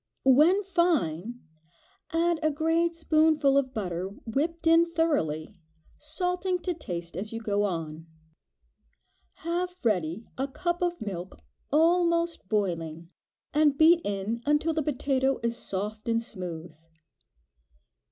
When fine, add a great spoonful of butter, whipped in thoroughly, salting to taste as you go on. Have ready a cup of milk almost boiling, and beat in until the potato is soft and smooth.